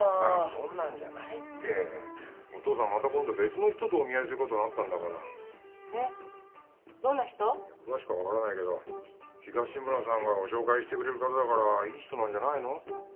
そんなんじゃないってお父さんまた今度別の人とお見合いすることになったんだからえっどんな人？いや詳しくは分からないけど東村さんがご紹介してくれる方だからいい人なんじゃないの？